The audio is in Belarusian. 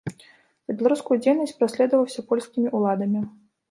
За беларускую дзейнасць праследаваўся польскімі ўладамі.